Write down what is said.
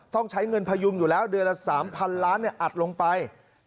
ต้องใช้เงินพยุงอยู่แล้วเดือนละ๓๐๐๐ล้านอัดลงไป